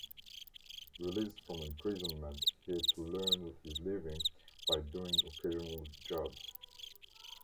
Released from imprisonment he had to earn his living by doing occasional jobs.